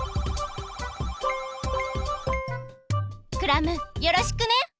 クラムよろしくね！